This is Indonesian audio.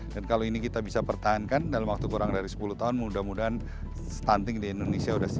dan kalau ini kita bisa pertahankan dalam waktu kurang dari sepuluh tahun mudah mudahan stunting di indonesia sudah single